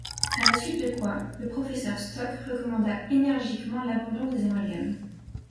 À la suite de quoi le professeur Stock recommanda énergiquement l'abandon des amalgames.